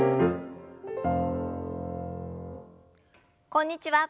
こんにちは。